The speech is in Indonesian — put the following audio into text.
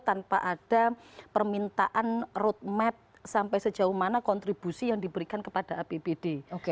tanpa ada permintaan roadmap sampai sejauh mana kontribusi yang diberikan kepada apbd